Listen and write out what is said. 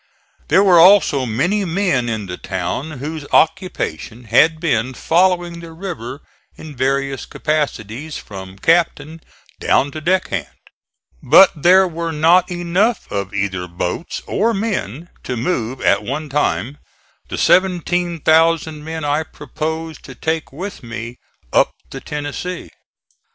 There were also many men in the town whose occupation had been following the river in various capacities, from captain down to deck hand But there were not enough of either boats or men to move at one time the 17,000 men I proposed to take with me up the Tennessee.